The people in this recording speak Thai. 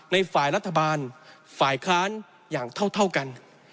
ในฝ่ายรัฐบาลฝ่ายค้านอย่างเท่ากัน